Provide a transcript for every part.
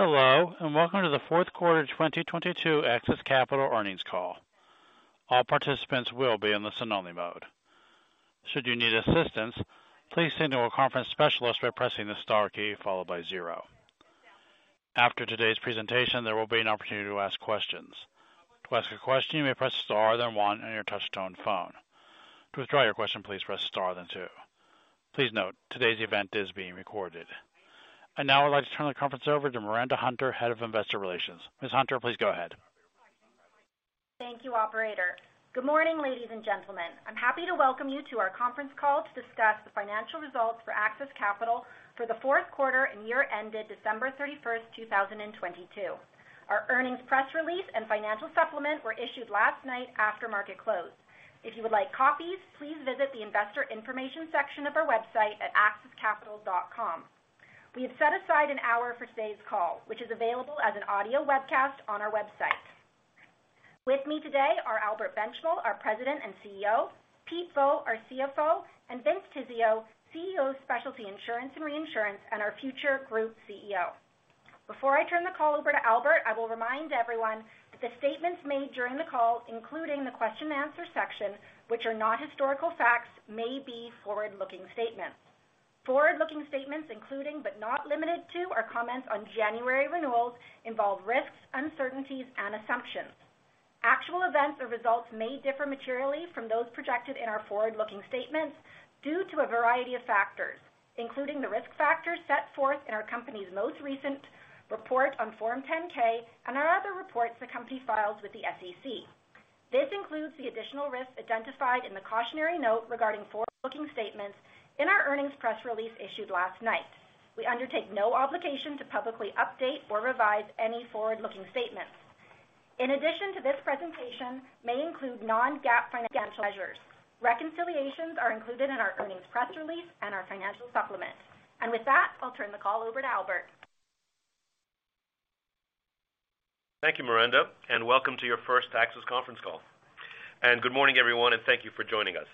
Hello, and welcome to the fourth quarter 2022 AXIS Capital earnings call. All participants will be in the listen-only mode. Should you need assistance, please signal a conference specialist by pressing the star key followed by zero. After today's presentation, there will be an opportunity to ask questions. To ask a question, you may press star then one on your touchtone phone. To withdraw your question, please press star then two. Please note, today's event is being recorded. Now I'd like to turn the conference over to Miranda Hunter, Head of Investor Relations. Ms. Hunter, please go ahead. Thank you, operator. Good morning, ladies and gentlemen. I'm happy to welcome you to our conference call to discuss the financial results for AXIS Capital for the fourth quarter and year ended December 31, 2022. Our earnings press release and financial supplement were issued last night after market close. If you would like copies, please visit the investor information section of our website at axiscapital.com. We have set aside an hour for today's call, which is available as an audio webcast on our website. With me today are Albert Benchimol, our President and CEO, Peter Vogt, our CFO, and Vince Tizzio, CEO of Specialty Insurance and Reinsurance and our future group CEO. Before I turn the call over to Albert, I will remind everyone that the statements made during the call, including the question and answer section, which are not historical facts, may be forward-looking statements. Forward-looking statements, including but not limited to our comments on January renewals involve risks, uncertainties and assumptions. Actual events or results may differ materially from those projected in our forward-looking statements due to a variety of factors, including the risk factors set forth in our company's most recent report on Form 10-K and our other reports the company files with the SEC. This includes the additional risks identified in the cautionary note regarding forward-looking statements in our earnings press release issued last night. We undertake no obligation to publicly update or revise any forward-looking statements. In addition to this presentation may include non-GAAP financial measures. Reconciliations are included in our earnings press release and our financial supplement. With that, I'll turn the call over to Albert. Thank you, Miranda. Welcome to your first AXIS conference call. Good morning, everyone, and thank you for joining us.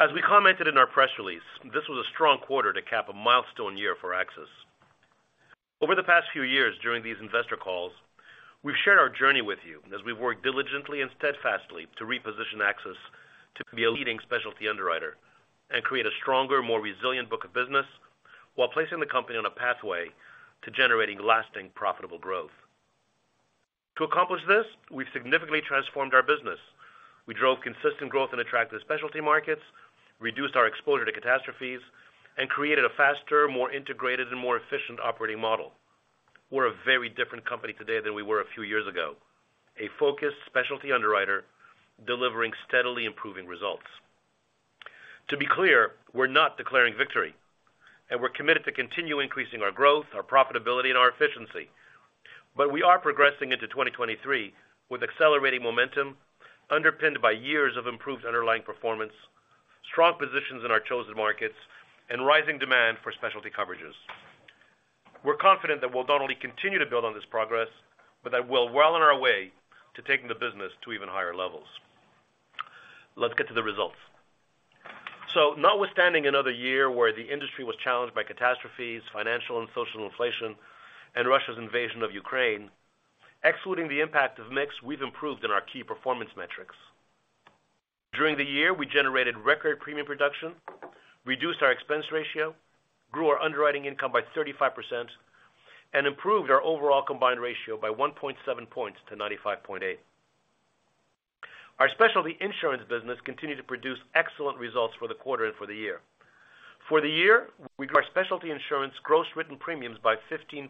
As we commented in our press release, this was a strong quarter to cap a milestone year for AXIS. Over the past few years during these investor calls, we've shared our journey with you as we've worked diligently and steadfastly to reposition AXIS to be a leading specialty underwriter and create a stronger, more resilient book of business while placing the company on a pathway to generating lasting profitable growth. To accomplish this, we've significantly transformed our business. We drove consistent growth in attractive specialty markets, reduced our exposure to catastrophes, and created a faster, more integrated and more efficient operating model. We're a very different company today than we were a few years ago, a focused specialty underwriter delivering steadily improving results. To be clear, we're not declaring victory. We're committed to continue increasing our growth, our profitability and our efficiency. We are progressing into 2023 with accelerating momentum underpinned by years of improved underlying performance, strong positions in our chosen markets and rising demand for specialty coverages. We're confident that we'll not only continue to build on this progress, but that we're well on our way to taking the business to even higher levels. Let's get to the results. Notwithstanding another year where the industry was challenged by catastrophes, financial and social inflation, and Russia's invasion of Ukraine, excluding the impact of mix, we've improved in our key performance metrics. During the year, we generated record premium production, reduced our expense ratio, grew our underwriting income by 35%, and improved our overall combined ratio by 1.7 points to 95.8. Our specialty insurance business continued to produce excellent results for the quarter and for the year. For the year, we grew our specialty insurance gross written premiums by 15%,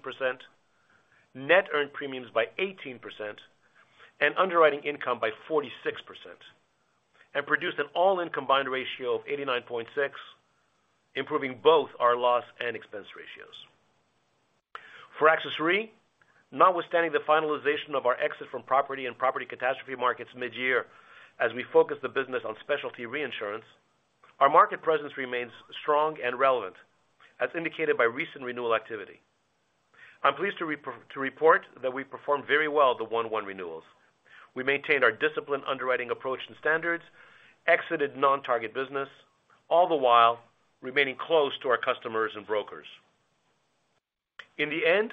net earned premiums by 18%, and underwriting income by 46%, and produced an all-in combined ratio of 89.6, improving both our loss and expense ratios. For AXIS Re, notwithstanding the finalization of our exit from property and property catastrophe markets mid-year as we focus the business on specialty reinsurance, our market presence remains strong and relevant as indicated by recent renewal activity. I'm pleased to report that we performed very well at the one-one renewals. We maintained our disciplined underwriting approach and standards, exited non-target business, all the while remaining close to our customers and brokers. In the end,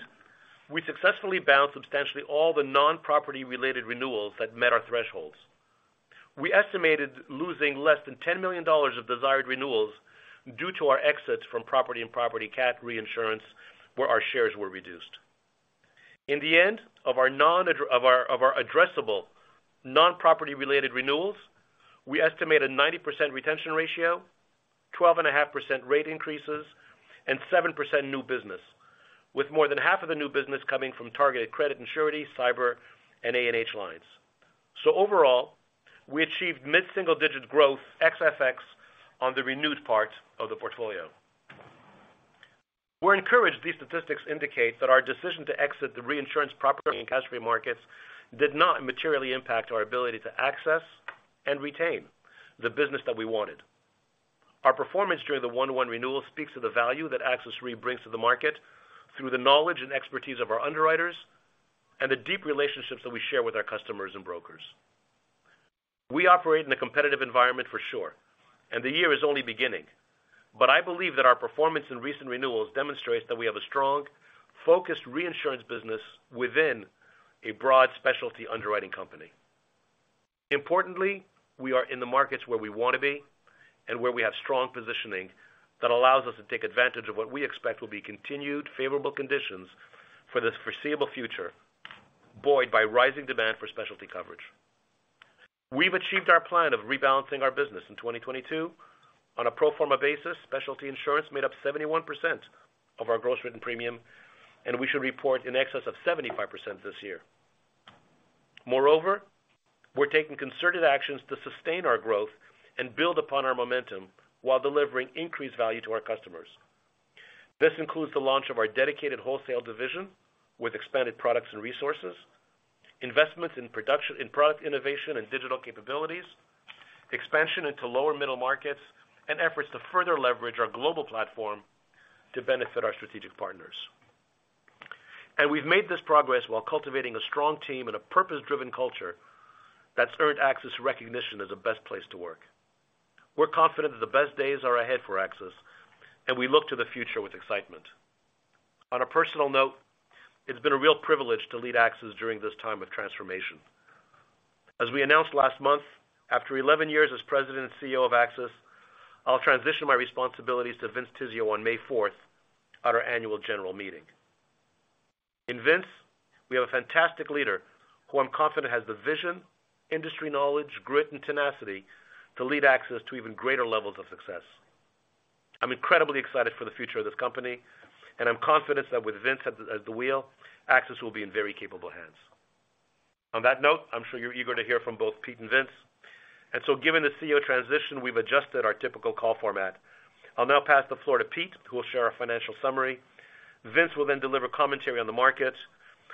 we successfully balanced substantially all the non-property related renewals that met our thresholds. We estimated losing less than $10 million of desired renewals due to our exits from property and property cat reinsurance, where our shares were reduced. In the end of our addressable non-property related renewals, we estimated 90% retention ratio, 12.5% rate increases, and 7% new business, with more than half of the new business coming from targeted credit and surety, cyber, and A&H lines. Overall, we achieved mid-single-digit growth XFX on the renewed part of the portfolio. We're encouraged these statistics indicate that our decision to exit the reinsurance property and casualty markets did not materially impact our ability to access and retain the business that we wanted. Our performance during the 1/1 renewal speaks to the value that AXIS Re brings to the market through the knowledge and expertise of our underwriters and the deep relationships that we share with our customers and brokers. We operate in a competitive environment for sure, and the year is only beginning. I believe that our performance in recent renewals demonstrates that we have a strong, focused reinsurance business within a broad specialty underwriting company. Importantly, we are in the markets where we want to be and where we have strong positioning that allows us to take advantage of what we expect will be continued favorable conditions for this foreseeable future, buoyed by rising demand for specialty coverage. We've achieved our plan of rebalancing our business in 2022. On a pro forma basis, specialty insurance made up 71% of our gross written premium, and we should report in excess of 75% this year. Moreover, we're taking concerted actions to sustain our growth and build upon our momentum while delivering increased value to our customers. This includes the launch of our dedicated AXIS Wholesale with expanded products and resources, investments in product innovation and digital capabilities, expansion into lower middle markets, and efforts to further leverage our global platform to benefit our strategic partners. We've made this progress while cultivating a strong team and a purpose-driven culture that's earned AXIS recognition as the best place to work. We're confident that the best days are ahead for AXIS, and we look to the future with excitement. On a personal note, it's been a real privilege to lead AXIS during this time of transformation. As we announced last month, after 11 years as President and CEO of AXIS, I'll transition my responsibilities to Vince Tizzio on May 4th at our annual general meeting. In Vince, we have a fantastic leader who I'm confident has the vision, industry knowledge, grit and tenacity to lead AXIS to even greater levels of success. I'm incredibly excited for the future of this company. I'm confident that with Vince at the wheel, AXIS will be in very capable hands. On that note, I'm sure you're eager to hear from both Pete and Vince. Given the CEO transition, we've adjusted our typical call format. I'll now pass the floor to Pete, who will share our financial summary. Vince will then deliver commentary on the market.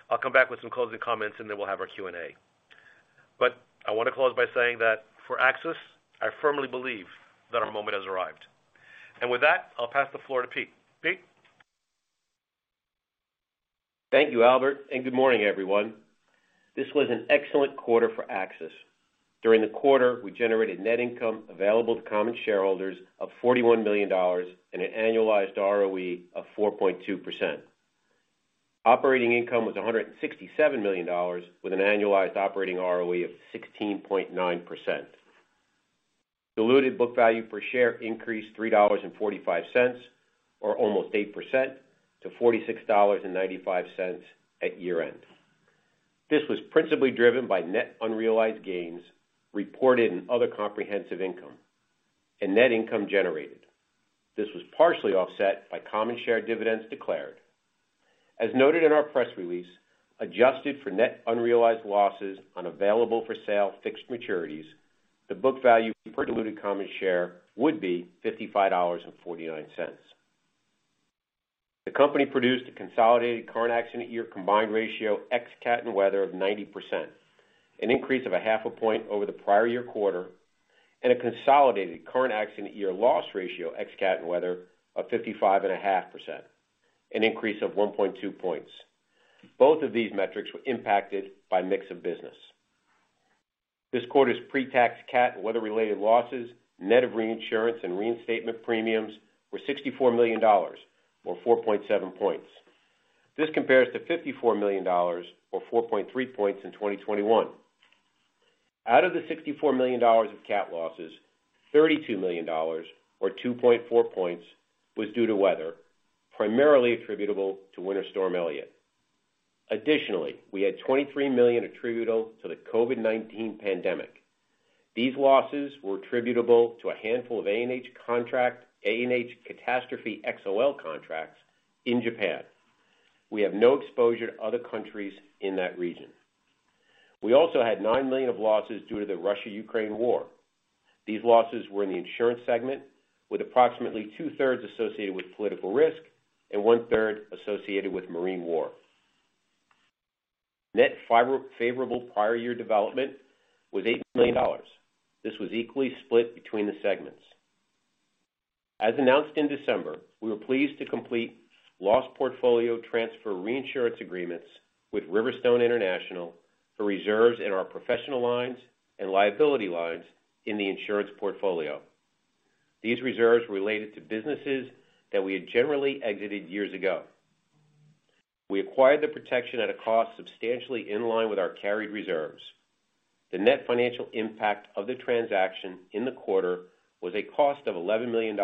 I'll come back with some closing comments. Then we'll have our Q&A. I want to close by saying that for AXIS, I firmly believe that our moment has arrived. With that, I'll pass the floor to Pete. Pete? Thank you, Albert. Good morning, everyone. This was an excellent quarter for AXIS. During the quarter, we generated net income available to common shareholders of $41 million and an annualized ROE of 4.2%. Operating income was $167 million with an annualized operating ROE of 16.9%. Diluted book value per share increased $3.45, or almost 8% to $46.95 at year-end. This was principally driven by net unrealized gains reported in other comprehensive income and net income generated. This was partially offset by common share dividends declared. As noted in our press release, adjusted for net unrealized losses on available-for-sale fixed maturities, the book value per diluted common share would be $55.49. The company produced a consolidated current accident year combined ratio ex-cat of 90%, an increase of 0.5 points over the prior year quarter, and a consolidated current accident year loss ratio ex-cat of 55.5%, an increase of 1.2 points. Both of these metrics were impacted by mix of business. This quarter's pre-tax cat and weather-related losses, net of reinsurance and reinstatement premiums, were $64 million or 4.7 points. This compares to $54 million or 4.3 points in 2021. Out of the $64 million of cat losses, $32 million or 2.4 points was due to weather, primarily attributable to Winter Storm Elliott. Additionally, we had $23 million attributable to the COVID-19 pandemic. These losses were attributable to a handful of A&H catastrophe XOL contracts in Japan. We have no exposure to other countries in that region. We also had $9 million of losses due to the Russia-Ukraine War. These losses were in the insurance segment, with approximately two-thirds associated with political risk and one-third associated with marine war. Favorable prior year development was $8 million. This was equally split between the segments. As announced in December, we were pleased to complete loss portfolio transfer reinsurance agreements with RiverStone International for reserves in our professional lines and liability lines in the insurance portfolio. These reserves related to businesses that we had generally exited years ago. We acquired the protection at a cost substantially in line with our carried reserves. The net financial impact of the transaction in the quarter was a cost of $11 million,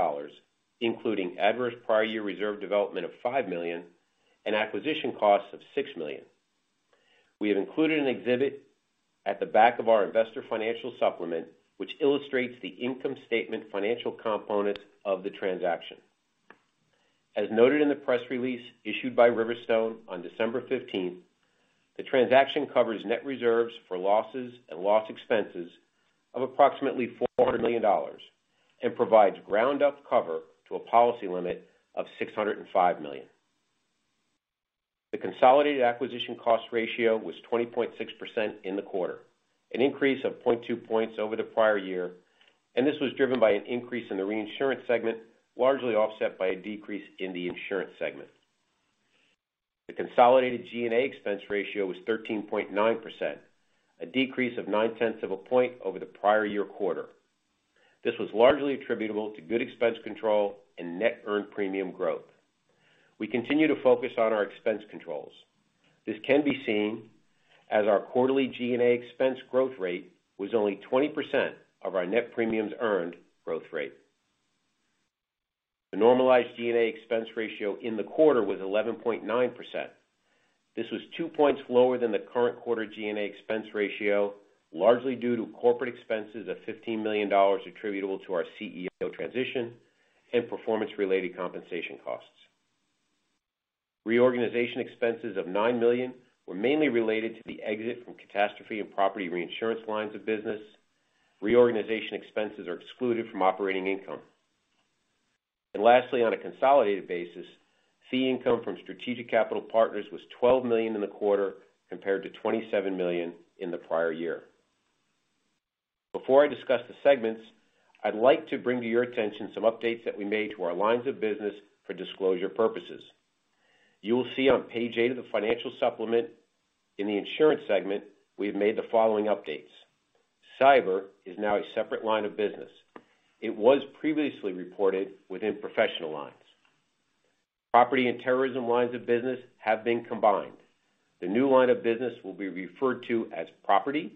including adverse prior year reserve development of $5 million and acquisition costs of $6 million. We have included an exhibit at the back of our investor financial supplement, which illustrates the income statement financial components of the transaction. As noted in the press release issued by RiverStone on December 15th, the transaction covers net reserves for losses and loss expenses of approximately $400 million and provides ground-up cover to a policy limit of $605 million. The consolidated acquisition cost ratio was 20.6% in the quarter, an increase of 0.2 points over the prior year. This was driven by an increase in the reinsurance segment, largely offset by a decrease in the insurance segment. The consolidated G&A expense ratio was 13.9%, a decrease of 0.9 points over the prior year quarter. This was largely attributable to good expense control and net earned premium growth. We continue to focus on our expense controls. This can be seen as our quarterly G&A expense growth rate was only 20% of our net premiums earned growth rate. The normalized G&A expense ratio in the quarter was 11.9%. This was two points lower than the current quarter G&A expense ratio, largely due to corporate expenses of $15 million attributable to our CEO transition and performance-related compensation costs. Reorganization expenses of $9 million were mainly related to the exit from catastrophe and property reinsurance lines of business. Reorganization expenses are excluded from operating income. Lastly, on a consolidated basis, fee income from strategic capital partners was $12 million in the quarter, compared to $27 million in the prior year. Before I discuss the segments, I'd like to bring to your attention some updates that we made to our lines of business for disclosure purposes. You will see on page eight of the financial supplement in the insurance segment, we have made the following updates. Cyber is now a separate line of business. It was previously reported within professional lines. Property and terrorism lines of business have been combined. The new line of business will be referred to as property,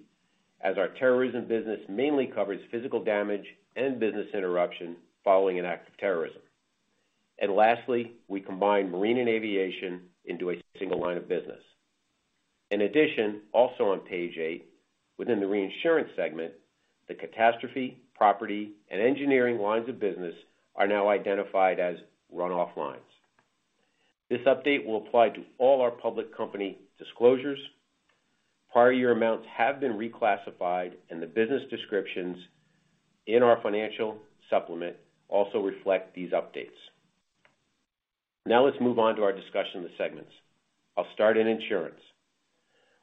as our terrorism business mainly covers physical damage and business interruption following an act of terrorism. Lastly, we combine marine and aviation into a single line of business. Also on page eight, within the reinsurance segment, the catastrophe, property, and engineering lines of business are now identified as run-off lines. This update will apply to all our public company disclosures. Prior year amounts have been reclassified, and the business descriptions in our financial supplement also reflect these updates. Now let's move on to our discussion of the segments. I'll start in insurance.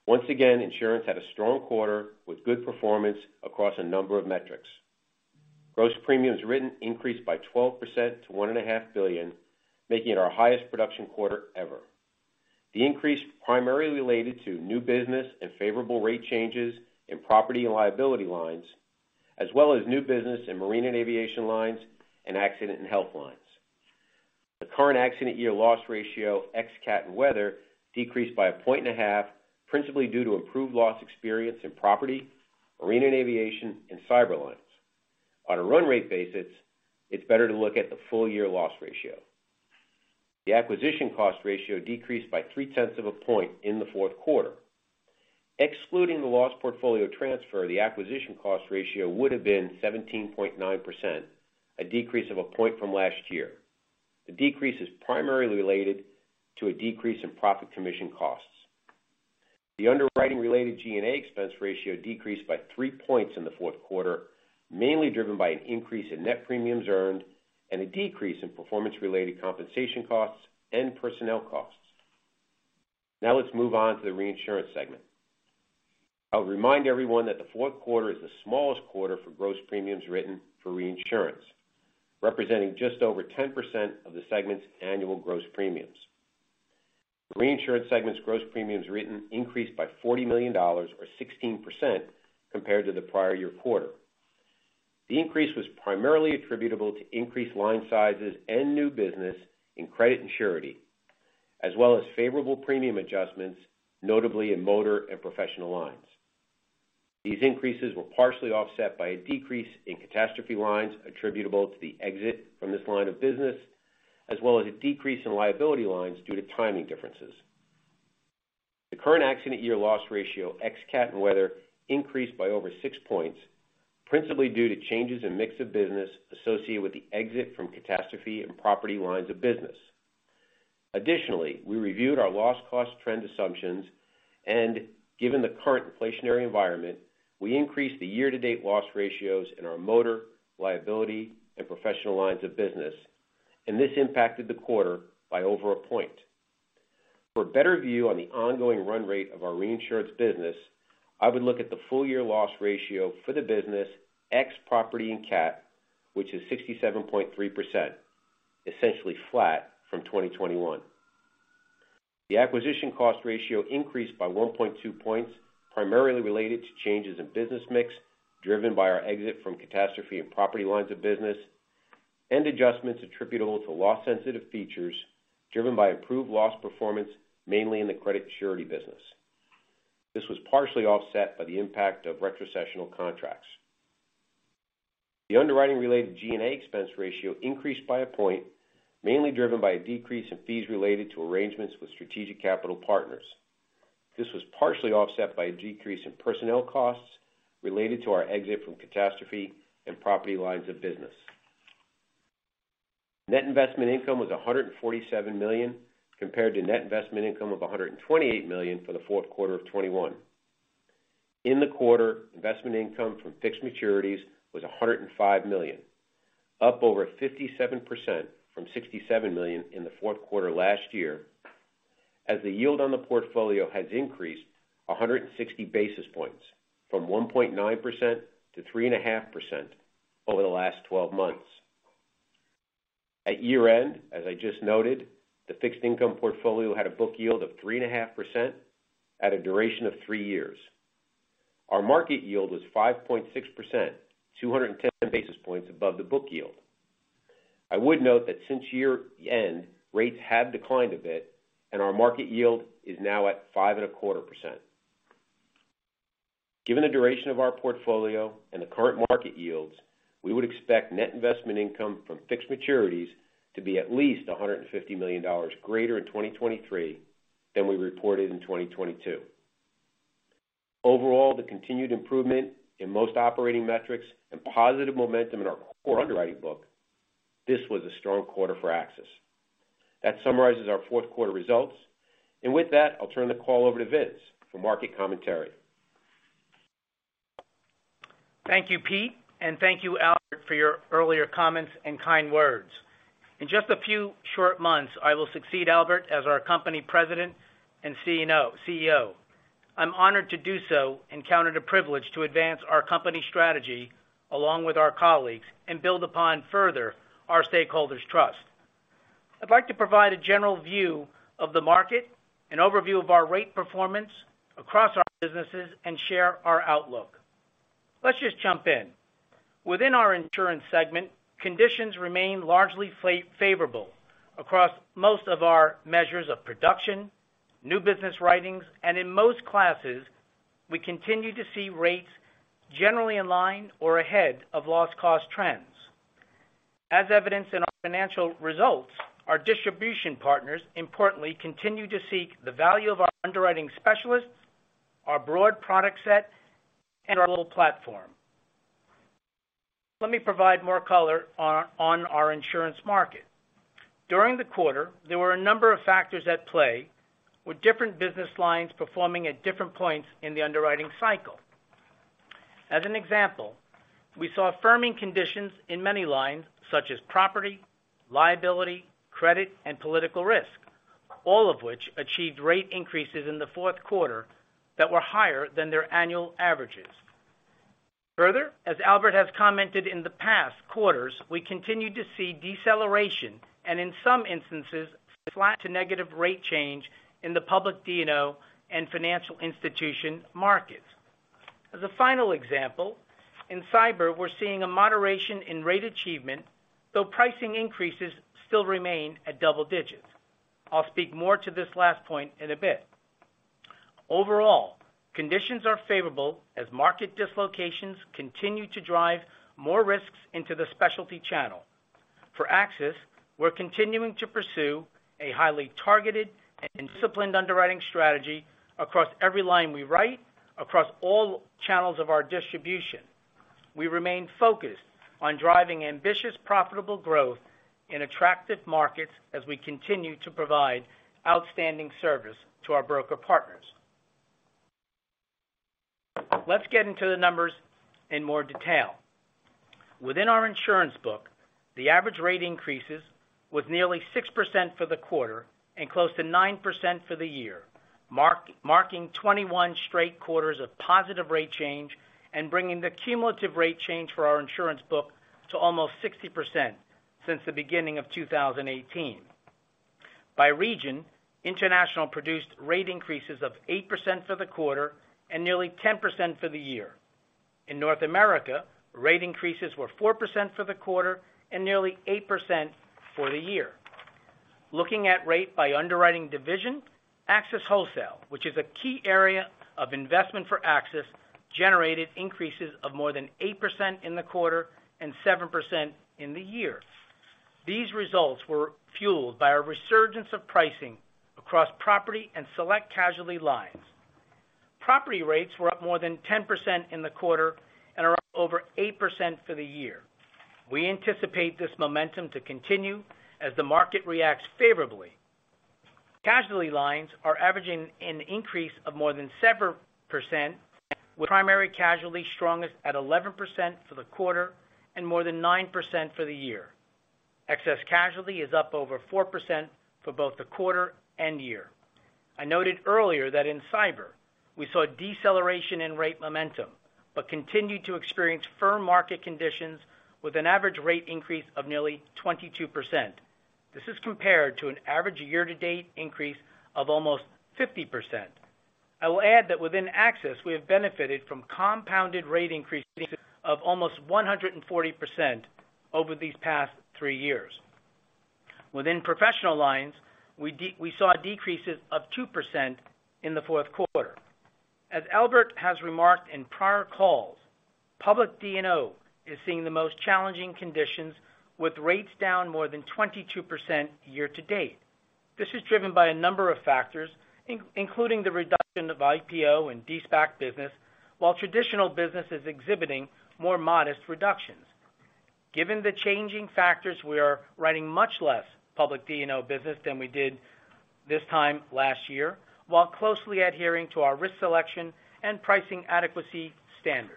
Once again, insurance had a strong quarter with good performance across a number of metrics. Gross premiums written increased by 12% to $1.5 billion, making it our highest production quarter ever. The increase primarily related to new business and favorable rate changes in property and liability lines, as well as new business in marine and aviation lines and Accident and Health lines. The current accident year loss ratio, ex-cat and weather, decreased by 1.5 points, principally due to improved loss experience in property, marine and aviation, and cyber lines. On a run rate basis, it's better to look at the full year loss ratio. The acquisition cost ratio decreased by 0.3 points in the fourth quarter. Excluding the loss portfolio transfer, the acquisition cost ratio would have been 17.9%, a decrease of one point from last year. The decrease is primarily related to a decrease in profit commission costs. The underwriting-related G&A expense ratio decreased by three points in the fourth quarter, mainly driven by an increase in net premiums earned and a decrease in performance-related compensation costs and personnel costs. Now let's move on to the reinsurance segment. I'll remind everyone that the fourth quarter is the smallest quarter for gross premiums written for reinsurance, representing just over 10% of the segment's annual gross premiums. The reinsurance segment's gross premiums written increased by $40 million, or 16% compared to the prior year quarter. The increase was primarily attributable to increased line sizes and new business in credit and surety, as well as favorable premium adjustments, notably in motor and professional lines. These increases were partially offset by a decrease in catastrophe lines attributable to the exit from this line of business, as well as a decrease in liability lines due to timing differences. The current accident year loss ratio, ex-cat and weather, increased by over six points, principally due to changes in mix of business associated with the exit from catastrophe and property lines of business. Additionally, we reviewed our loss cost trend assumptions and given the current inflationary environment, we increased the year-to-date loss ratios in our motor, liability, and professional lines of business, and this impacted the quarter by over one point. For a better view on the ongoing run rate of our reinsurance business, I would look at the full year loss ratio for the business, ex property and cat, which is 67.3%, essentially flat from 2021. The acquisition cost ratio increased by 1.2 points, primarily related to changes in business mix driven by our exit from catastrophe and property lines of business and adjustments attributable to loss-sensitive features driven by improved loss performance, mainly in the credit surety business. This was partially offset by the impact of retrocessional contracts. The underwriting-related G&A expense ratio increased by one point, mainly driven by a decrease in fees related to arrangements with strategic capital partners. This was partially offset by a decrease in personnel costs related to our exit from catastrophe and property lines of business. Net investment income was $147 million, compared to net investment income of $128 million for the fourth quarter of 2021. In the quarter, investment income from fixed maturities was $105 million, up over 57% from $67 million in the fourth quarter last year, as the yield on the portfolio has increased 160 basis points from 1.9% to 3.5% over the last 12 months. At year-end, as I just noted, the fixed income portfolio had a book yield of 3.5% at a duration of three years. Our market yield was 5.6%, 210 basis points above the book yield. I would note that since year-end, rates have declined a bit and our market yield is now at 5.25%. Given the duration of our portfolio and the current market yields, we would expect net investment income from fixed maturities to be at least $150 million greater in 2023 than we reported in 2022. Overall, the continued improvement in most operating metrics and positive momentum in our underwriting book, this was a strong quarter for AXIS. That summarizes our fourth quarter results. With that, I'll turn the call over to Vince for market commentary. Thank you, Pete, and thank you, Albert, for your earlier comments and kind words. In just a few short months, I will succeed Albert as our company president and CEO. I'm honored to do so and counted a privilege to advance our company strategy along with our colleagues and build upon further our stakeholders' trust. I'd like to provide a general view of the market, an overview of our rate performance across our businesses, and share our outlook. Let's just jump in. Within our insurance segment, conditions remain largely favorable across most of our measures of production, new business writings, and in most classes, we continue to see rates generally in line or ahead of loss cost trends. As evidenced in our financial results, our distribution partners importantly continue to seek the value of our underwriting specialists, our broad product set, and our little platform. Let me provide more color on our insurance market. During the quarter, there were a number of factors at play, with different business lines performing at different points in the underwriting cycle. As an example, we saw firming conditions in many lines, such as property, liability, credit, and political risk, all of which achieved rate increases in the fourth quarter that were higher than their annual averages. Further, as Albert Benchimol has commented in the past quarters, we continued to see deceleration, and in some instances, flat to negative rate change in the public D&O and financial institution markets. As a final example, in cyber, we're seeing a moderation in rate achievement, though pricing increases still remain at double digits. I'll speak more to this last point in a bit. Overall, conditions are favorable as market dislocations continue to drive more risks into the specialty channel. For AXIS, we're continuing to pursue a highly targeted and disciplined underwriting strategy across every line we write, across all channels of our distribution. We remain focused on driving ambitious, profitable growth in attractive markets as we continue to provide outstanding service to our broker partners. Let's get into the numbers in more detail. Within our insurance book, the average rate increases was nearly 6% for the quarter and close to 9% for the year, marking 21 straight quarters of positive rate change and bringing the cumulative rate change for our insurance book to almost 60% since the beginning of 2018. By region, international produced rate increases of 8% for the quarter and nearly 10% for the year. In North America, rate increases were 4% for the quarter and nearly 8% for the year. Looking at rate by underwriting division, AXIS Wholesale, which is a key area of investment for AXIS, generated increases of more than 8% in the quarter and 7% in the year. These results were fueled by a resurgence of pricing across property and select casualty lines. Property rates were up more than 10% in the quarter and are up over 8% for the year. We anticipate this momentum to continue as the market reacts favorably. Casualty lines are averaging an increase of more than 7%, with primary casualty strongest at 11% for the quarter and more than 9% for the year. Excess casualty is up over 4% for both the quarter and year. I noted earlier that in cyber, we saw a deceleration in rate momentum, but continued to experience firm market conditions with an average rate increase of nearly 22%. This is compared to an average year-to-date increase of almost 50%. I will add that within AXIS, we have benefited from compounded rate increases of almost 140% over these past three years. Within professional lines, we saw decreases of 2% in the fourth quarter. As Albert has remarked in prior calls, public D&O is seeing the most challenging conditions with rates down more than 22% year-to-date. This is driven by a number of factors, including the reduction of IPO and De-SPAC business, while traditional business is exhibiting more modest reductions. Given the changing factors, we are writing much less public D&O business than we did this time last year, while closely adhering to our risk selection and pricing adequacy standards.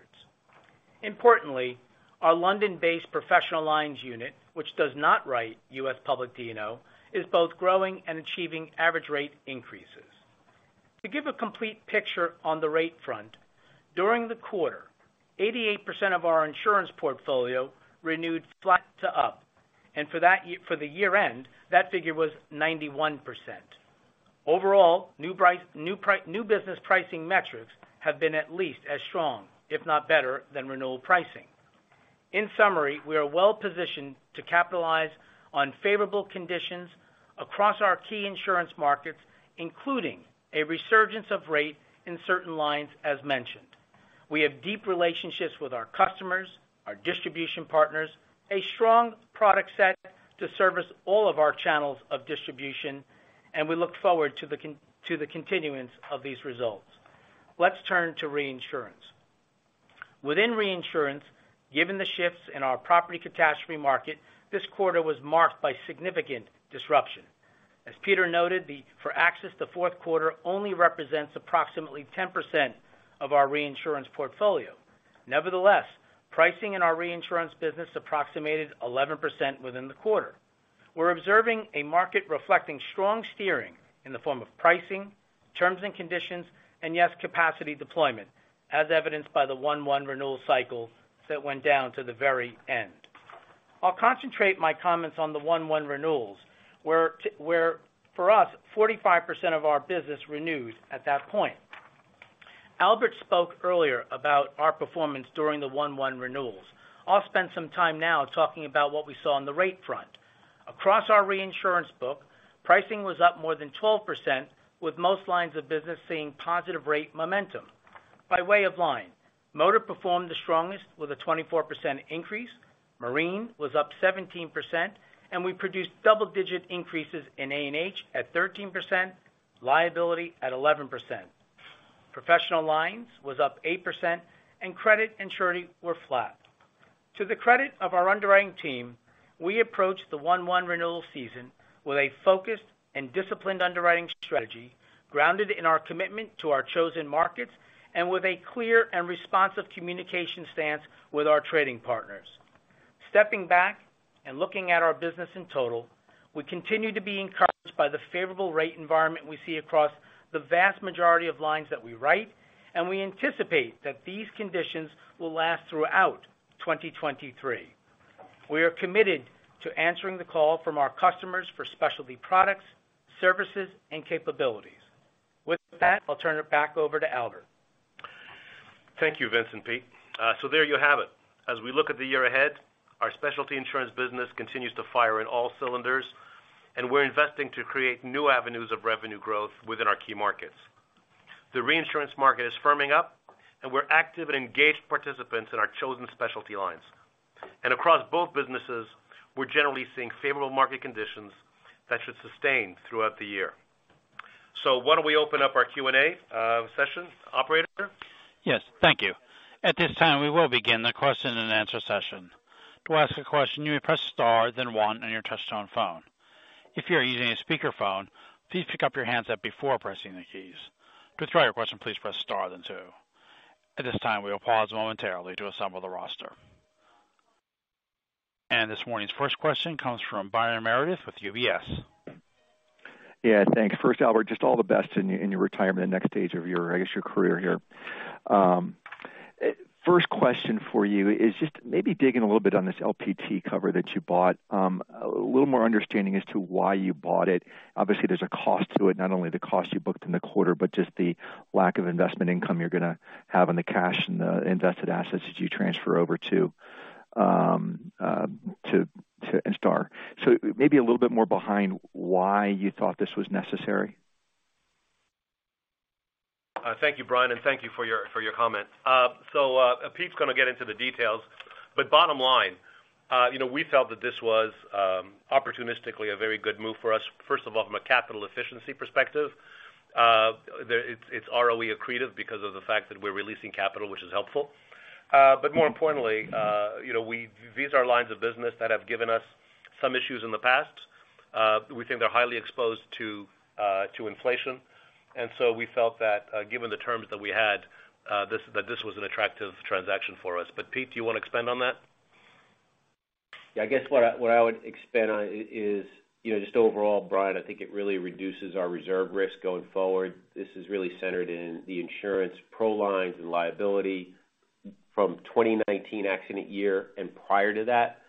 Importantly, our London-based professional lines unit, which does not write U.S. public D&O, is both growing and achieving average rate increases. To give a complete picture on the rate front, during the quarter, 88% of our insurance portfolio renewed flat to up. For the year end, that figure was 91%. Overall, new business pricing metrics have been at least as strong, if not better, than renewal pricing. In summary, we are well-positioned to capitalize on favorable conditions across our key insurance markets, including a resurgence of rate in certain lines as mentioned. We have deep relationships with our customers, our distribution partners, a strong product set to service all of our channels of distribution, and we look forward to the continuance of these results. Let's turn to reinsurance. Within reinsurance, given the shifts in our property catastrophe market, this quarter was marked by significant disruption. As Peter noted, for AXIS to fourth quarter only represents approximately 10% of our reinsurance portfolio. Nevertheless, pricing in our reinsurance business approximated 11% within the quarter. We're observing a market reflecting strong steering in the form of pricing, terms and conditions, and yes, capacity deployment, as evidenced by the one-one renewal cycle that went down to the very end. I'll concentrate my comments on the one-one renewals, where for us, 45% of our business renewed at that point. Albert spoke earlier about our performance during the one-one renewals. I'll spend some time now talking about what we saw on the rate front. Across our reinsurance book, pricing was up more than 12%, with most lines of business seeing positive rate momentum. By way of line, motor performed the strongest with a 24% increase. Marine was up 17%. We produced double-digit increases in A&H at 13%, liability at 11%. Professional lines was up 8%. Credit and surety were flat. To the credit of our underwriting team, we approached the one-one renewal season with a focused and disciplined underwriting strategy grounded in our commitment to our chosen markets and with a clear and responsive communication stance with our trading partners. Stepping back and looking at our business in total, we continue to be encouraged by the favorable rate environment we see across the vast majority of lines that we write. We anticipate that these conditions will last throughout 2023. We are committed to answering the call from our customers for specialty products, services, and capabilities. With that, I'll turn it back over to Albert. Thank you, Vince Tizzio and Peter Vogt. There you have it. As we look at the year ahead, our specialty insurance business continues to fire in all cylinders, and we're investing to create new avenues of revenue growth within our key markets. The reinsurance market is firming up, and we're active and engaged participants in our chosen specialty lines. Across both businesses, we're generally seeing favorable market conditions that should sustain throughout the year. Why don't we open up our Q&A session. Operator? Yes. Thank you. At this time, we will begin the question and answer session. To ask a question, you may press star then one on your touch tone phone. If you're using a speaker phone, please pick up your handset before pressing the keys. To withdraw your question, please press star then two. At this time, we'll pause momentarily to assemble the roster. This morning's first question comes from Brian Meredith with UBS. Yeah. Thanks. First, Albert, just all the best in your retirement, next stage of your, I guess, your career here. First question for you is just maybe digging a little bit on this LPT cover that you bought, a little more understanding as to why you bought it. Obviously, there's a cost to it, not only the cost you booked in the quarter, but just the lack of investment income you're gonna have in the cash and the invested assets that you transfer over to Starr. Maybe a little bit more behind why you thought this was necessary. Thank you, Brian, and thank you for your, for your comments. Pete's gonna get into the details. Bottom line, you know, we felt that this was opportunistically a very good move for us. First of all, from a capital efficiency perspective, it's ROE accretive because of the fact that we're releasing capital, which is helpful. More importantly, you know, these are lines of business that have given us some issues in the past. We think they're highly exposed to inflation. We felt that, given the terms that we had, this was an attractive transaction for us. Pete, do you wanna expand on that? Yeah, I guess what I would expand on is, you know, just overall, Brian, I think it really reduces our reserve risk going forward. This is really centered in the insurance pro lines and liability from 2019 accident year and prior to that.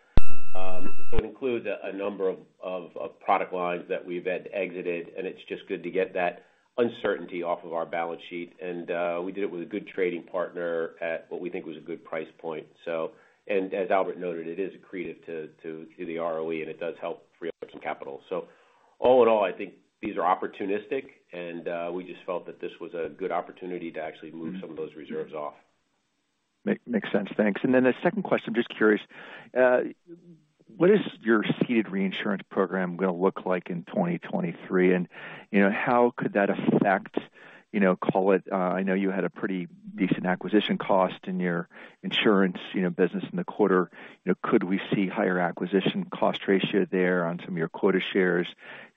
It includes a number of product lines that we've had exited, and it's just good to get that uncertainty off of our balance sheet. We did it with a good trading partner at what we think was a good price point. As Albert noted, it is accretive to the ROE, and it does help free up some capital. All in all, I think these are opportunistic, and we just felt that this was a good opportunity to actually move some of those reserves off. Makes sense. Thanks. The second question, just curious. What is your ceded reinsurance program going to look like in 2023? You know, how could that affect, you know, call it, I know you had a pretty decent acquisition cost in your insurance, you know, business in the quarter. You know, could we see higher acquisition cost ratio there on some of your quota shares?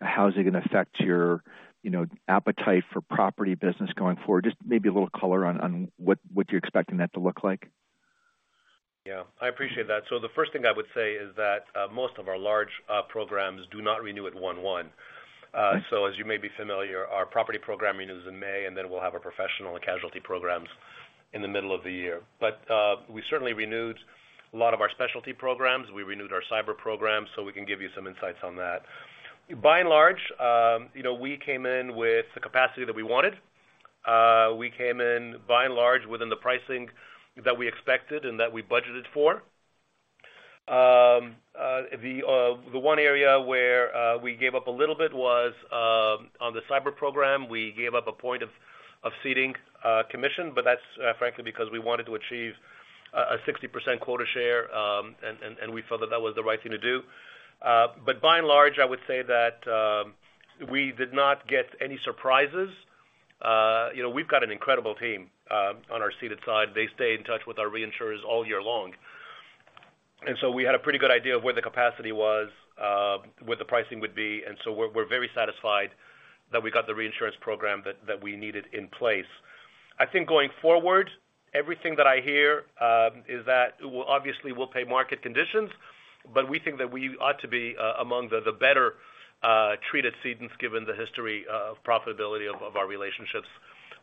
How is it going to affect your, you know, appetite for property business going forward? Just maybe a little color on what you're expecting that to look like. Yeah, I appreciate that. The first thing I would say is that, most of our large programs do not renew at 1/1. As you may be familiar, our property program renews in May, and then we'll have our professional and casualty programs in the middle of the year. We certainly renewed a lot of our specialty programs. We renewed our cyber programs, so we can give you some insights on that. By and large, you know, we came in with the capacity that we wanted. We came in, by and large, within the pricing that we expected and that we budgeted for. The one area where we gave up a little bit was on the cyber program. We gave up a point of ceding commission, but that's frankly because we wanted to achieve a 60% quota share, and we felt that that was the right thing to do. By and large, I would say that we did not get any surprises. You know, we've got an incredible team on our ceded side. They stayed in touch with our reinsurers all year long. We had a pretty good idea of where the capacity was, where the pricing would be, and so we're very satisfied that we got the reinsurance program that we needed in place. I think going forward, everything that I hear, is that obviously we'll pay market conditions, but we think that we ought to be among the better treated cedents given the history of profitability of our relationships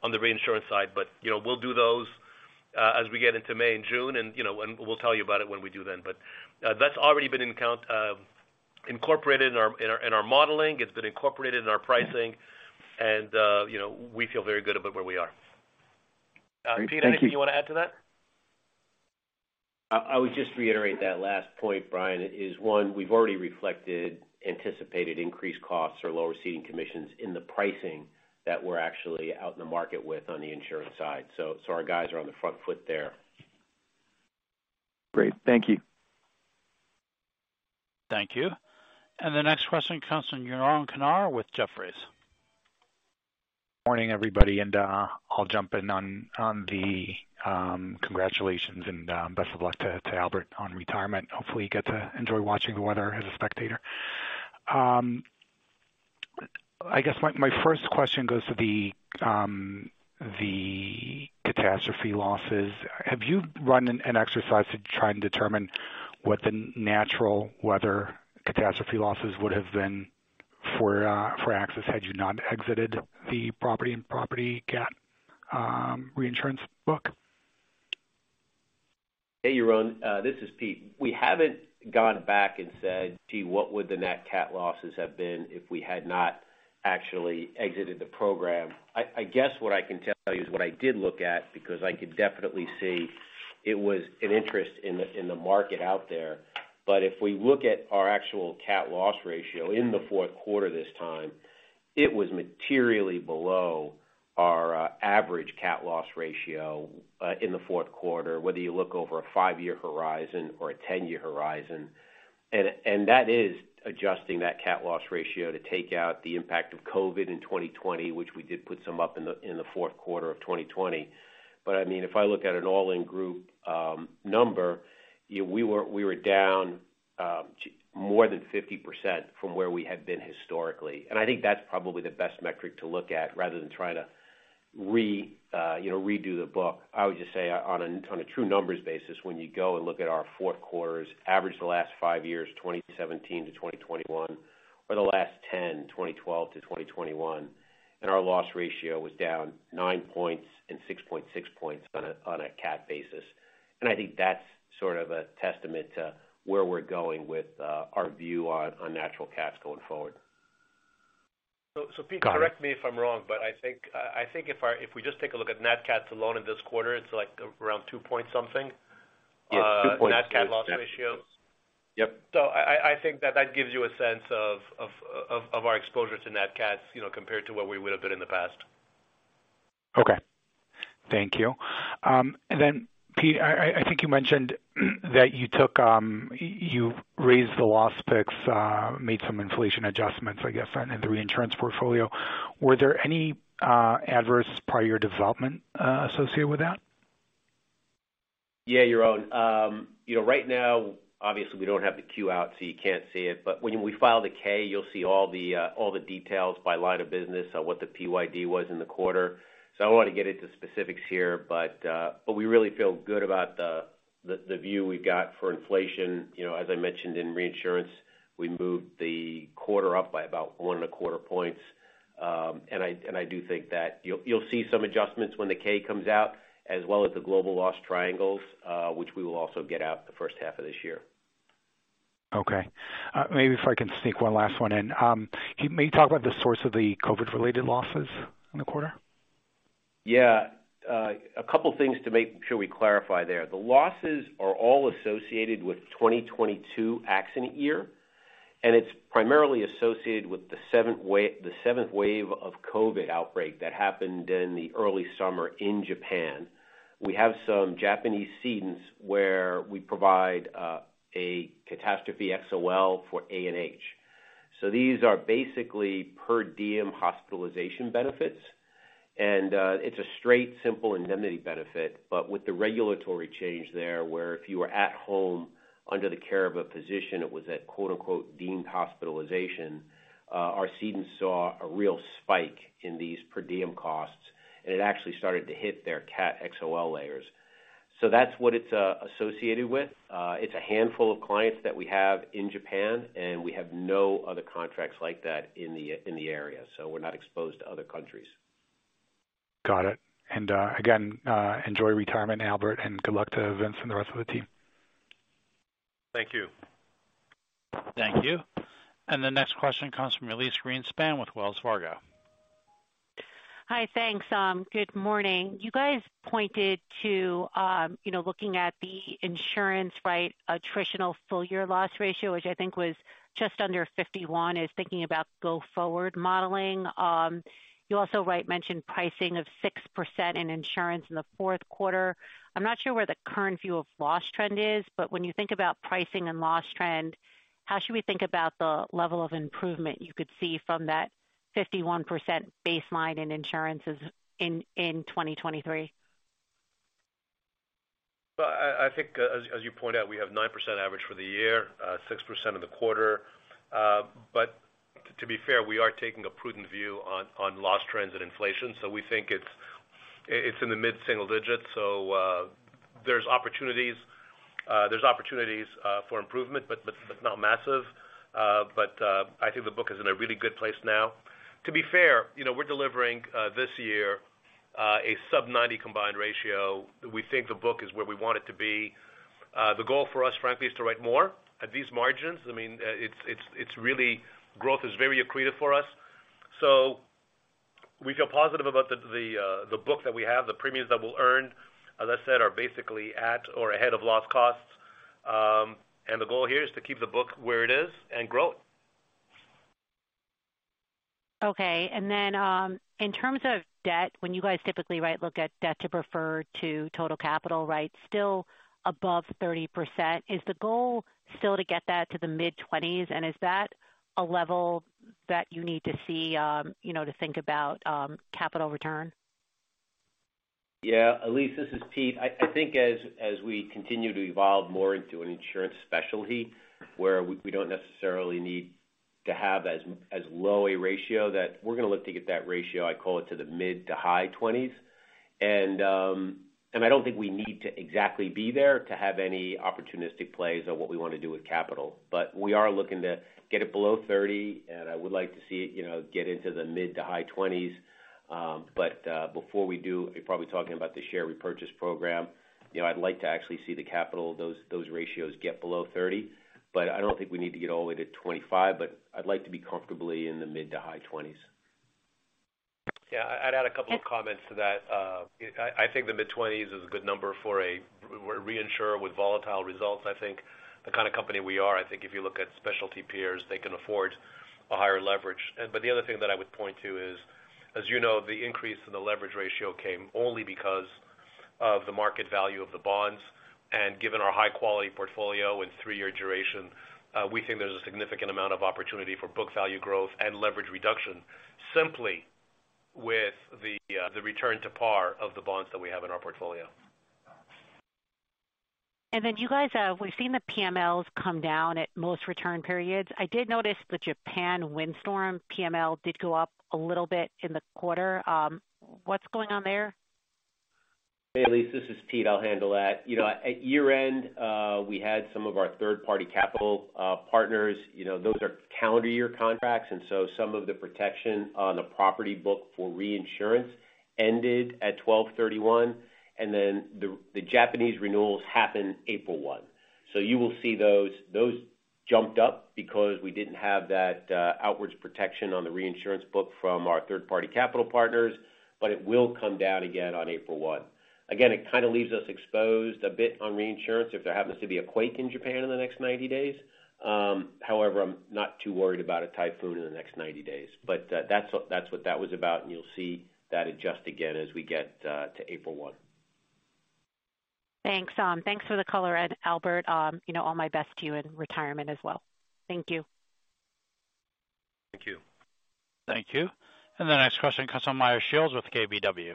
on the reinsurance side. You know, we'll do those as we get into May and June and, you know, and we'll tell you about it when we do then. That's already been incorporated in our modeling. It's been incorporated in our pricing. You know, we feel very good about where we are. Great. Thank you. Pete, anything you wanna add to that? I would just reiterate that last point, Brian, is one, we've already reflected anticipated increased costs or lower ceding commissions in the pricing that we're actually out in the market with on the insurance side. Our guys are on the front foot there. Great. Thank you. Thank you. The next question comes from Yaron Kinar with Jefferies. Morning, everybody, I'll jump in on the congratulations and best of luck to Albert Benchimol on retirement. Hopefully, you get to enjoy watching the weather as a spectator. I guess my first question goes to the catastrophe losses. Have you run an exercise to try and determine what the natural weather catastrophe losses would have been for AXIS had you not exited the property and property cat reinsurance book? Hey, Yaron, this is Peter. We haven't gone back and said, "Gee, what would the net cat losses have been if we had not actually exited the program?" I guess what I can tell you is what I did look at because I could definitely see it was an interest in the market out there. If we look at our actual cat loss ratio in the fourth quarter this time, it was materially below our average cat loss ratio in the fourth quarter, whether you look over a 5-year horizon or a 10-year horizon. That is adjusting that cat loss ratio to take out the impact of COVID in 2020, which we did put some up in the fourth quarter of 2020. I mean, if I look at an all-in group, number, you know, we were down more than 50% from where we had been historically. I think that's probably the best metric to look at rather than trying to, you know, redo the book. I would just say on a, on a true numbers basis, when you go and look at our fourth quarters, average the last five years, 2017 to 2021, or the last 10, 2012 to 2021, our loss ratio was down nine points and 6.6 points on a, on a cat basis. I think that's sort of a testament to where we're going with our view on natural cats going forward. Pete. Go ahead. Correct me if I'm wrong, but I think if we just take a look at net cats alone in this quarter, it's like around two point something. Yes, 2.6. Net cat loss ratio. Yep. I think that that gives you a sense of our exposure to net cats, you know, compared to where we would have been in the past. Okay. Thank you. Then Pete, I think you mentioned that you took, you raised the loss picks, made some inflation adjustments, I guess, on the reinsurance portfolio. Were there any adverse prior development associated with that? Yeah, Yaron. You know, right now, obviously, we don't have the Q out, so you can't see it. When we file the 10-K, you'll see all the details by line of business on what the PYD was in the quarter. I don't wanna get into specifics here, but we really feel good about the view we've got for inflation. You know, as I mentioned in reinsurance, we moved the quarter up by about one and a quarter points. And I do think that you'll see some adjustments when the 10-K comes out, as well as the Global Loss Triangles, which we will also get out the first half of this year. Maybe if I can sneak one last one in. Can you maybe talk about the source of the COVID-related losses in the quarter? Yeah. A couple of things to make sure we clarify there. The losses are all associated with 2022 accident year, and it's primarily associated with the seventh wave of COVID outbreak that happened in the early summer in Japan. We have some Japanese cedents where we provide a catastrophe XOL for A&H. These are basically per diem hospitalization benefits. It's a straight, simple indemnity benefit, but with the regulatory change there, where if you were at home under the care of a physician, it was a quote-unquote, "deemed hospitalization." Our cedents saw a real spike in these per diem costs, and it actually started to hit their cat XOL layers. That's what it's associated with. It's a handful of clients that we have in Japan, and we have no other contracts like that in the area, so we're not exposed to other countries. Got it. Again, enjoy retirement, Albert, and good luck to Vince and the rest of the team. Thank you. Thank you. The next question comes from Elyse Greenspan with Wells Fargo. Hi. Thanks, good morning. You guys pointed to, you know, looking at the insurance right, attritional full year loss ratio, which I think was just under 51, is thinking about go forward modeling. You also right, mentioned pricing of 6% in insurance in the fourth quarter. I'm not sure where the current view of loss trend is, but when you think about pricing and loss trend, how should we think about the level of improvement you could see from that 51% baseline in insurances in 2023? Well, I think as you pointed out, we have 9% average for the year, 6% of the quarter. To be fair, we are taking a prudent view on loss trends and inflation. We think it's in the mid-single digits. There's opportunities, there's opportunities for improvement, but not massive. I think the book is in a really good place now. To be fair, you know, we're delivering this year a sub 90 combined ratio. We think the book is where we want it to be. The goal for us, frankly, is to write more at these margins. I mean, it's really growth is very accretive for us. We feel positive about the book that we have, the premiums that we'll earn, as I said, are basically at or ahead of loss costs. The goal here is to keep the book where it is and grow it. Okay. In terms of debt, when you guys typically right, look at debt to prefer to total capital, right, still above 30%, is the goal still to get that to the mid-20s? Is that a level that you need to see, you know, to think about capital return? Yeah. Elyse, this is Peter. I think as we continue to evolve more into an insurance specialty where we don't necessarily need to have as low a ratio, that we're gonna look to get that ratio, I call it to the mid-to-high 20s. I don't think we need to exactly be there to have any opportunistic plays on what we wanna do with capital. We are looking to get it below 30, and I would like to see it, you know, get into the mid-to-high 20s. Before we do, you're probably talking about the share repurchase program. You know, I'd like to actually see the capital, those ratios get below 30. I don't think we need to get all the way to 25, I'd like to be comfortably in the mid to high 20s. Yeah, I'd add a couple of comments to that. I think the mid-20s is a good number for a re-reinsurer with volatile results, I think the kind of company we are. I think if you look at specialty peers, they can afford a higher leverage. The other thing that I would point to is, as you know, the increase in the leverage ratio came only because of the market value of the bonds. Given our high quality portfolio and three-year duration, we think there's a significant amount of opportunity for book value growth and leverage reduction simply with the return to par of the bonds that we have in our portfolio. You guys, we've seen the PMLs come down at most return periods. I did notice the Japan windstorm PML did go up a little bit in the quarter. What's going on there? Hey, Elyse, this is Peter. I'll handle that. You know, at year-end, we had some of our third-party capital partners. You know, those are calendar year contracts, and so some of the protection on the property book for reinsurance ended at 12/31, and then the Japanese renewals happened April 1. You will see those. Those jumped up because we didn't have that outwards protection on the reinsurance book from our third-party capital partners, but it will come down again on April 1. Again, it kind of leaves us exposed a bit on reinsurance if there happens to be a quake in Japan in the next 90 days. However, I'm not too worried about a typhoon in the next 90 days. That's what that was about, and you'll see that adjust again as we get to April 1. Thanks. Thanks for the color, and Albert, you know, all my best to you in retirement as well. Thank you. Thank you. Thank you. The next question comes from Meyer Shields with KBW.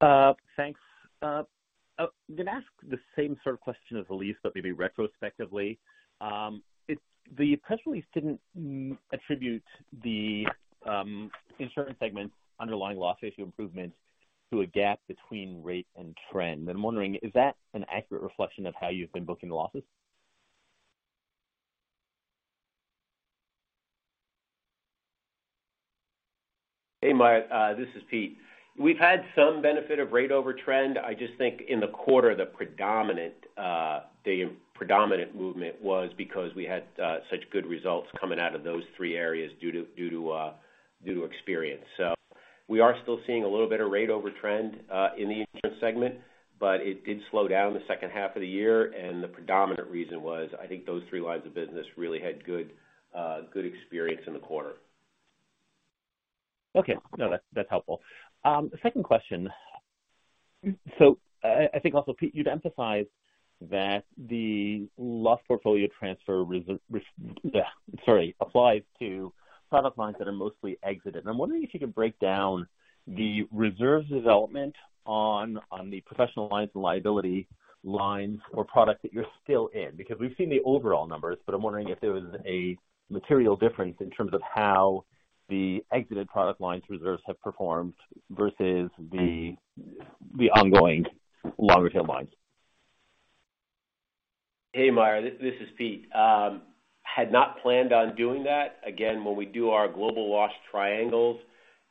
Thanks. Can I ask the same sort of question as Elyse Greenspan, but maybe retrospectively? The press release didn't attribute the insurance segment's underlying loss ratio improvements to a gap between rate and trend. I'm wondering, is that an accurate reflection of how you've been booking the losses? Hey, Meyer, this is Pete. We've had some benefit of rate over trend. I just think in the quarter, the predominant movement was because we had such good results coming out of those three areas due to experience. We are still seeing a little bit of rate over trend in the insurance segment, but it did slow down the second half of the year, and the predominant reason was, I think those three lines of business really had good experience in the quarter. No, that's helpful. Second question. I think also, Pete, you'd emphasized that the loss portfolio transfer applies to product lines that are mostly exited. I'm wondering if you could break down the reserve development on the professional lines and liability lines or products that you're still in. We've seen the overall numbers, but I'm wondering if there was a material difference in terms of how the exited product lines reserves have performed versus the ongoing longer tail lines. Hey, Meyer, this is Pete. Had not planned on doing that. Again, when we do our Global Loss Triangles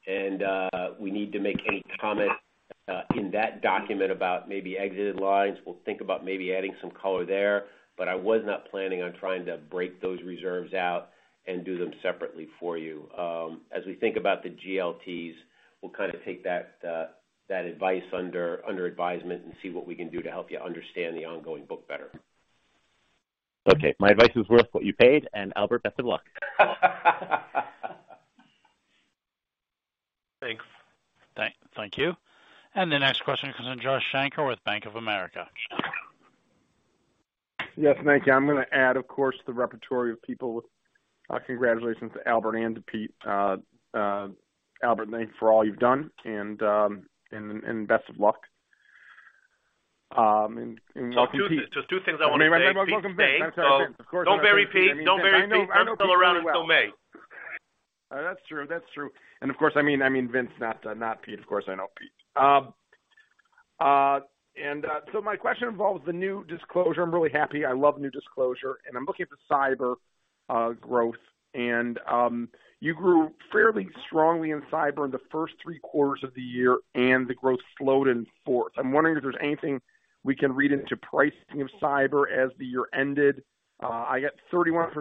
and we need to make any comment in that document about maybe exited lines, we'll think about maybe adding some color there. I was not planning on trying to break those reserves out and do them separately for you. As we think about the GLTs, we'll kind of take that advice under advisement and see what we can do to help you understand the ongoing book better. Okay. My advice was worth what you paid. Albert, best of luck. Thanks. Thank you. The next question comes from Josh Shanker with Bank of America. Shanker. Yes, thank you. I'm gonna add, of course, the repertory of people with, congratulations to Albert and to Pete. Albert, thank you for all you've done, and best of luck. Welcome, Pete. Just two things I want to say. Welcome, Pete. That's right. Of course. Don't bury Pete. Don't bury Pete. I'm still around, until may. That's true. That's true. Of course, I mean Vince, not Pete. Of course, I know Pete. My question involves the new disclosure. I'm really happy. I love new disclosure. I'm looking at the cyber growth, you grew fairly strongly in cyber in the first three quarters of the year and the growth slowed in fourth. I'm wondering if there's anything we can read into pricing of cyber as the year ended. I get 31%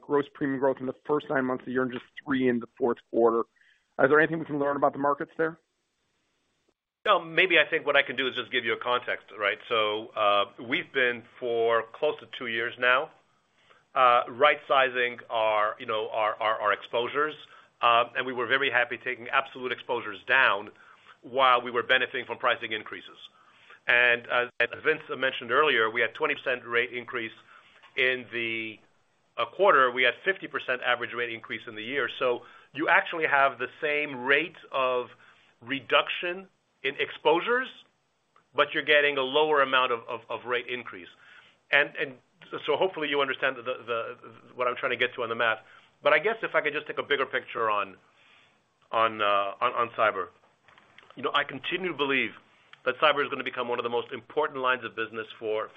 gross premium growth in the first nine months of the year and just three in the fourth quarter. Is there anything we can learn about the markets there? Maybe I think what I can do is just give you a context, right? We've been for close to two years now, right sizing our, you know, our exposures. We were very happy taking absolute exposures down while we were benefiting from pricing increases. As Vince mentioned earlier, we had 20% rate increase in the quarter. We had 50% average rate increase in the year. You actually have the same rate of reduction in exposures, but you're getting a lower amount of rate increase. Hopefully you understand the what I'm trying to get to on the math. I guess if I could just take a bigger picture on cyber. You know, I continue to believe that cyber is gonna become one of the most important lines of business for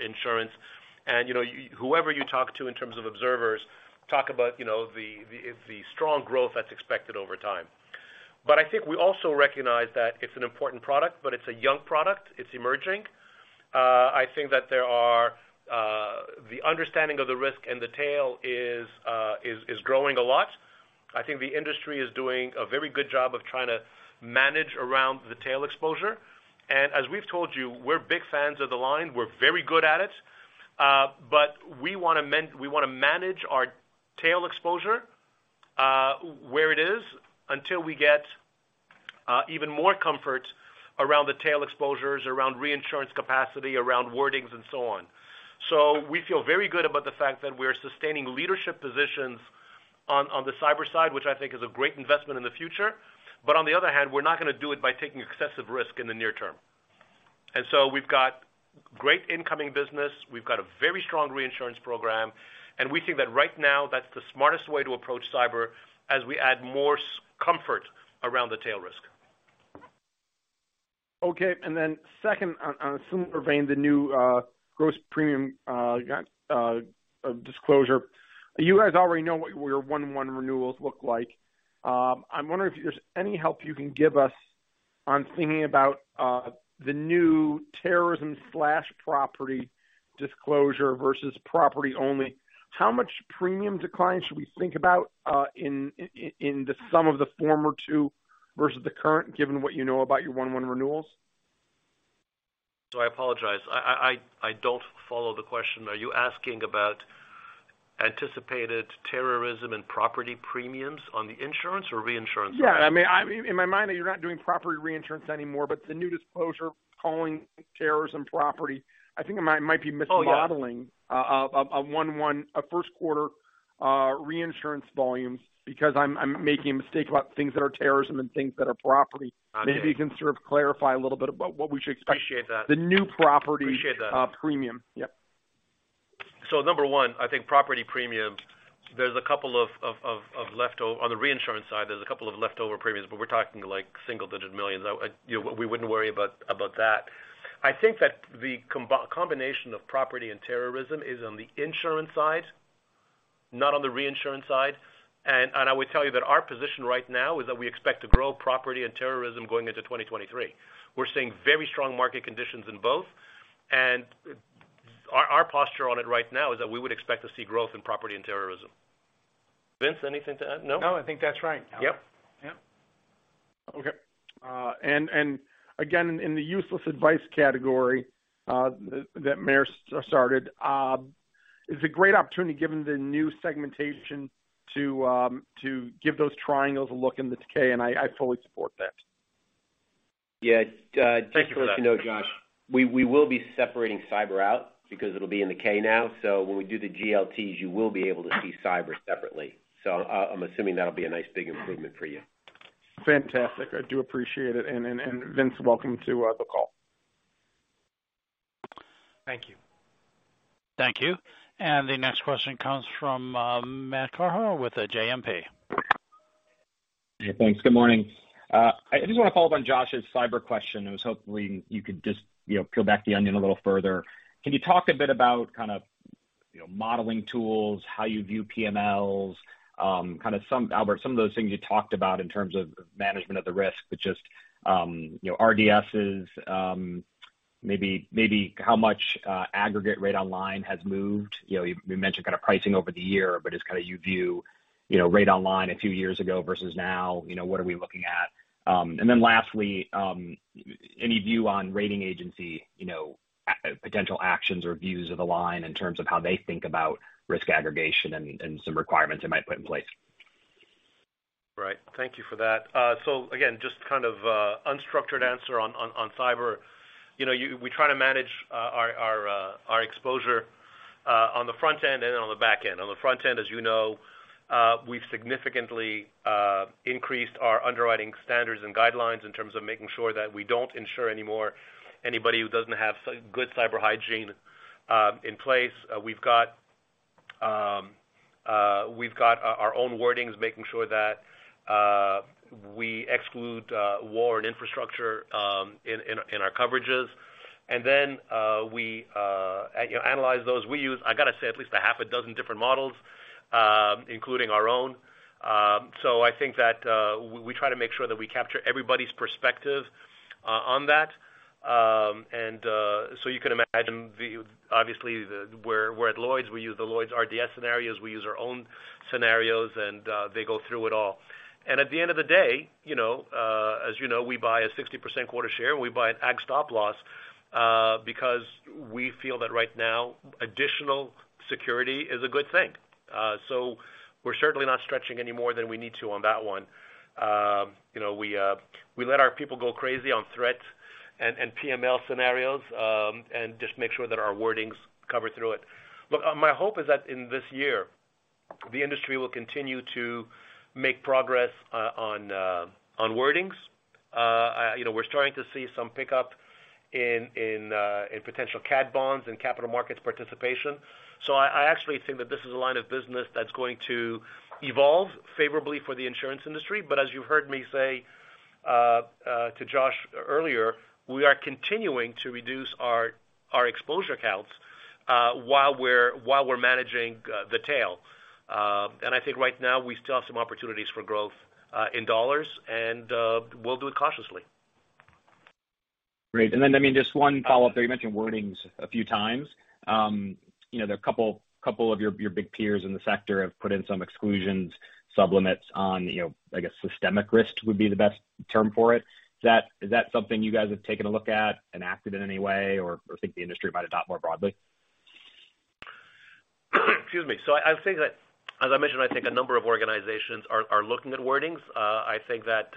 insurance. You know, whoever you talk to in terms of observers talk about, you know, the strong growth that's expected over time. I think we also recognize that it's an important product, but it's a young product. It's emerging. I think that there are the understanding of the risk and the tail is growing a lot. I think the industry is doing a very good job of trying to manage around the tail exposure. As we've told you, we're big fans of the line. We're very good at it. We wanna manage our tail exposure, where it is until we get even more comfort around the tail exposures, around reinsurance capacity, around wordings and so on. We feel very good about the fact that we're sustaining leadership positions on the cyber side, which I think is a great investment in the future. On the other hand, we're not gonna do it by taking excessive risk in the near term. We've got great incoming business. We've got a very strong reinsurance program. We think that right now that's the smartest way to approach cyber as we add more comfort around the tail risk. Okay. Second, on a similar vein, the new gross premium disclosure. You guys already know what your one-on-one renewals look like. I'm wondering if there's any help you can give us on thinking about the new terrorism slash property disclosure versus property only. How much premium decline should we think about in the sum of the former two versus the current, given what you know about your one-on-one renewals? I apologize. I don't follow the question. Are you asking about anticipated terrorism and property premiums on the insurance or reinsurance? Yeah. I mean, in my mind you're not doing property reinsurance anymore, but the new disclosure calling terrorism property, I think I might be mismodeling. Oh, yeah. A one-on-one first quarter reinsurance volumes because I'm making a mistake about things that are terrorism and things that are property. Okay. Maybe you can sort of clarify a little bit about what we should expect? Appreciate that. The new property- Appreciate that. Premium. Yeah. Number one, I think property premium, there's a couple of leftover premiums, but we're talking like single digit millions. You know, we wouldn't worry about that. I think that the combination of property and terrorism is on the insurance side, not on the reinsurance side. I would tell you that our position right now is that we expect to grow property and terrorism going into 2023. We're seeing very strong market conditions in both, our posture on it right now is that we would expect to see growth in property and terrorism. Vince, anything to add? No? No, I think that's right. Yep. Yeah. Okay. Again, in the useless advice category, that Meyer started, it's a great opportunity given the new segmentation to give those triangles a look in the decay, and I fully support that. Yeah. Thank you for that. Just to let you know, Josh, we will be separating cyber out because it'll be in the K now. When we do the GLTs, you will be able to see cyber separately. I'm assuming that'll be a nice big improvement for you. Fantastic. I do appreciate it. Vince, welcome to the call. Thank you. Thank you. The next question comes from Matt Carletti with JMP. Hey, thanks. Good morning. I just want to follow up on Josh's cyber question. It was hopefully you could just, you know, peel back the onion a little further. Can you talk a bit about kind of, you know, modeling tools, how you view PMLs, kind of some Albert, some of those things you talked about in terms of management of the risk, but just, you know, RDSes, maybe how much aggregate Rate on Line has moved? You know, you mentioned kind of pricing over the year, but just kind of you view, you know, Rate on Line a few years ago versus now, you know, what are we looking at? Then lastly, any view on rating agency, you know, potential actions or views of the line in terms of how they think about risk aggregation and some requirements they might put in place? Right. Thank you for that. Again, just kind of unstructured answer on cyber. You know, we try to manage our exposure on the front end and on the back end. On the front end, as you know, we've significantly increased our underwriting standards and guidelines in terms of making sure that we don't insure anymore anybody who doesn't have good cyber hygiene in place. We've got our own wordings, making sure that we exclude war and infrastructure in our coverages. We analyze those. We use, I got to say, at least a half a dozen different models, including our own. I think that we try to make sure that we capture everybody's perspective on that. So you can imagine, obviously, we're at Lloyd's, we use the Lloyd's RDS scenarios, we use our own scenarios, they go through it all. At the end of the day, you know, as you know, we buy a 60% quota share, we buy an ag Stop-Loss, because we feel that right now, additional security is a good thing. So we're certainly not stretching any more than we need to on that one. You know, we let our people go crazy on threats and PML scenarios, and just make sure that our wordings cover through it. Look, my hope is that in this year, the industry will continue to make progress on wordings. You know, we're starting to see some pickup in potential cat bonds and capital markets participation. I actually think that this is a line of business that's going to evolve favorably for the insurance industry. As you heard me say to Josh earlier, we are continuing to reduce our exposure accounts while we're managing the tail. I think right now we still have some opportunities for growth in dollars, and we'll do it cautiously. Great. Then, I mean, just one follow-up there. You mentioned wordings a few times. You know, there are a couple of your big peers in the sector have put in some exclusions, sublimits on, you know, I guess systemic risk would be the best term for it. Is that something you guys have taken a look at and acted in any way or think the industry might adopt more broadly? Excuse me. I think that, as I mentioned, I think a number of organizations are looking at wordings. I think that,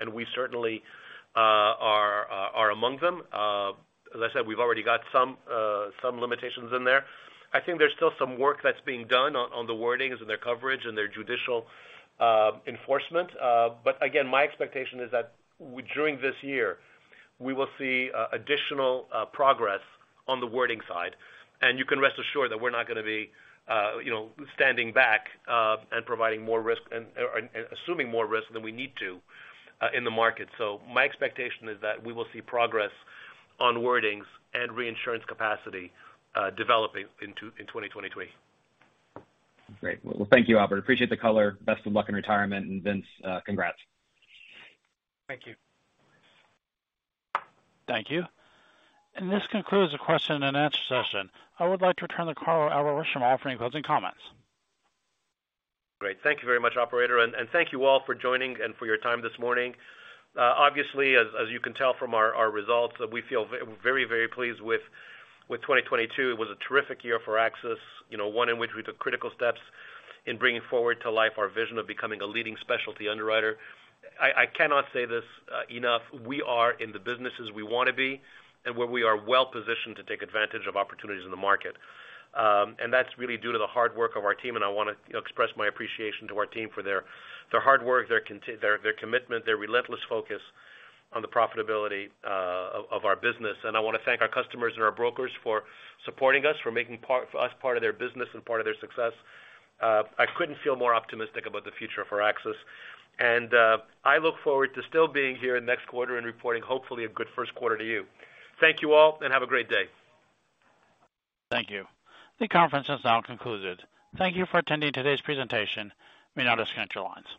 and we certainly are among them. As I said, we've already got some limitations in there. I think there's still some work that's being done on the wordings and their coverage and their judicial enforcement. Again, my expectation is that during this year, we will see additional progress on the wording side. And you can rest assured that we're not gonna be, you know, standing back, and providing more risk and assuming more risk than we need to, in the market. My expectation is that we will see progress on wordings and reinsurance capacity, developing into in 2023. Great. Well, thank you, Albert. Appreciate the color. Best of luck in retirement. Vince, congrats. Thank you. Thank you. This concludes the question and answer session. I would like to return the call over to Albert for any closing comments. Great. Thank you very much, operator. Thank you all for joining and for your time this morning. Obviously, as you can tell from our results, we feel very, very pleased with 2022. It was a terrific year for AXIS, you know, one in which we took critical steps in bringing forward to life our vision of becoming a leading specialty underwriter. I cannot say this enough. We are in the businesses we want to be and where we are well-positioned to take advantage of opportunities in the market. That's really due to the hard work of our team, and I wanna express my appreciation to our team for their hard work, their commitment, their relentless focus on the profitability of our business. I want to thank our customers and our brokers for supporting us, for making us part of their business and part of their success. I couldn't feel more optimistic about the future for AXIS. I look forward to still being here next quarter and reporting hopefully a good first quarter to you. Thank you all, and have a great day. Thank you. The conference has now concluded. Thank you for attending today's presentation. You may now disconnect your lines.